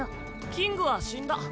キングは死んだ。